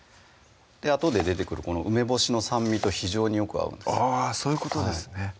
あとで出てくるこの梅干しの酸味と非常によく合うんですそういうことですね